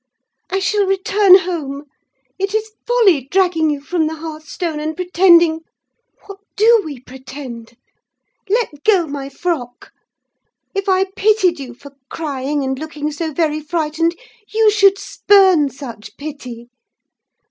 I shall return home: it is folly dragging you from the hearth stone, and pretending—what do we pretend? Let go my frock! If I pitied you for crying and looking so very frightened, you should spurn such pity.